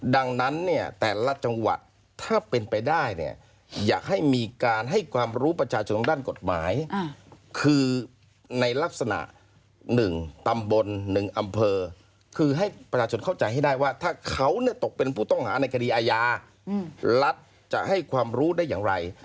ดังนั้นเนี่ยแต่ละจังหวัดถ้าเป็นไปได้เนี่ยอยากให้มีการให้ความรู้ประชาชนด้านกฎหมายคือในลักษณะ๑ตำบล๑อำเภอคือให้ประชาชนเข้าใจให้ได้ว่าถ้าเขาตกเป็นผู้ต้องหาในคดีอาญารัฐจะให้ความรู้ได้อย่างไร